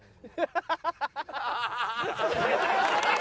ハハハハ！